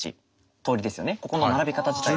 ここの並び方自体は。